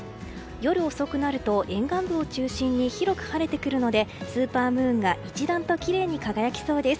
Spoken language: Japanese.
夜遅くなると、沿岸部を中心に広く晴れてくるのでスーパームーンが一段ときれいに輝きそうです。